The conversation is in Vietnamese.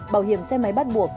bảo hiểm xe máy bắt buộc